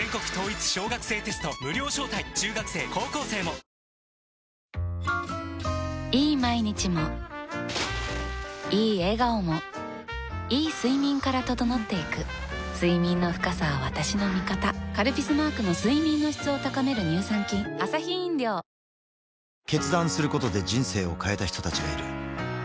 『徹子の部屋』はいい毎日もいい笑顔もいい睡眠から整っていく睡眠の深さは私の味方「カルピス」マークの睡眠の質を高める乳酸菌下の子も ＫＵＭＯＮ を始めた